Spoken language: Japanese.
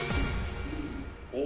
お！